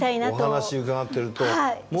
お話伺ってると。